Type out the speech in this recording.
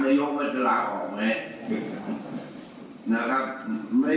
เขาต้องไปถามนายโยคว่าจะลากออกไหม